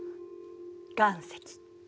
岩石。